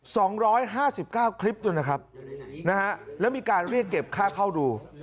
สองร้อยห้าสิบเก้าคลิปด้วยนะครับนะฮะแล้วมีการเรียกเก็บค่าเข้าดู